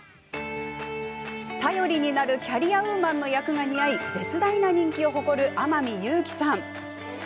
頼りになるキャリアウーマンの役が似合い絶大な人気を誇る天海祐希さん。